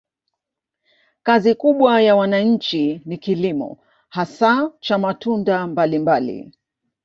Kazi kubwa ya wananchi ni kilimo, hasa cha matunda mbalimbali.